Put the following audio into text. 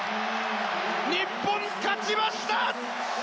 日本勝ちました！